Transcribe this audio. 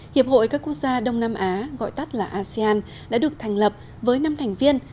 hiệp hội các quốc gia đông nam á gọi tắt là asean đã được thành lập với năm thành viên